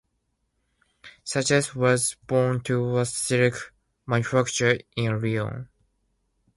Suchet was born to a silk manufacturer in Lyon.